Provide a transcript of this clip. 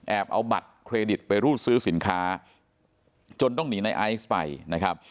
เอาบัตรเครดิตไปรูดซื้อสินค้าจนต้องหนีในไอซ์ไปนะครับ